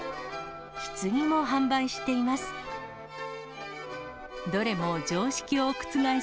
ひつぎも販売しています。